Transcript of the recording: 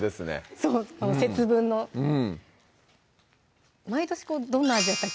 そう節分のうん毎年どんな味だったっけ？